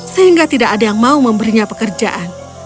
sehingga tidak ada yang mau memberinya pekerjaan